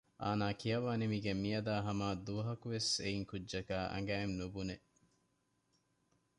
އާނާ ކިޔަވާ ނިމިގެން މިއަދާ ހަމައަށް ދުވަހަކުވެސް އެއިން ކުއްޖަކާ އަނގައިން ނުބުނެ